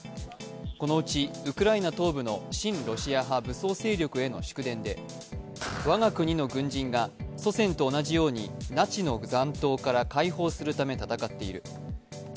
このうちウクライナ東部の親ロシア派武装勢力への祝電で我が国の軍人が祖先と同じようにナチの弾頭から解放するため戦っている。